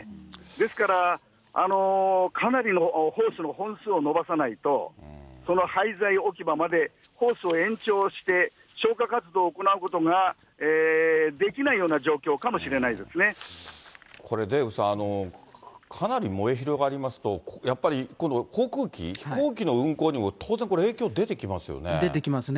ですから、かなりのホースの本数を延ばさないと、その廃材置き場までホースを延長して消火活動を行うことができなこれ、デーブさん、かなり燃え広がりますと、やっぱり今度航空機、飛行機の運航にも当然、これ、出てきますね。